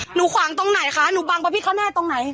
หนูขว่างตรงไหนคะหนูบังประพิธีความแน่ตรงไหน